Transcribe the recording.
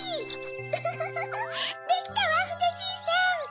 ウフフフできたわふでじいさん！